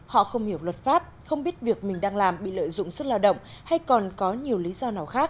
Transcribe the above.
họ không hiểu luật pháp không biết việc mình đang làm bị lợi dụng sức lao động hay còn có nhiều lý do nào khác